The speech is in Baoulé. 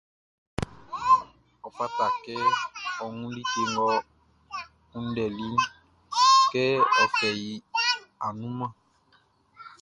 Ɔ fata kɛ ɔ wun like ngʼɔ kunndɛliʼn, kɛ ɔ fɛ i annunmanʼn.